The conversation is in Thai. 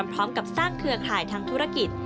พร้อมกับสร้างเครือข่ายทางธุรกิจ